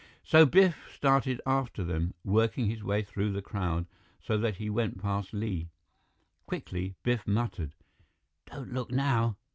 So Biff started after them, working his way through the crowd so that he went past Li. Quickly, Biff muttered: "Don't look now.